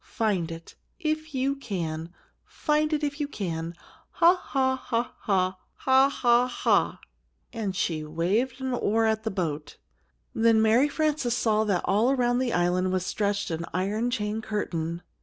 Find it, if you can! Find it, if you can! Ha, ha! Ha, ha! Haw, haw, haw!" and she waved an oar at the boat. Then Mary Frances saw that all around the island was stretched an iron chain curtain.